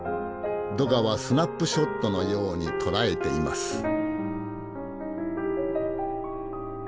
ドガはスナップショットのように捉えています。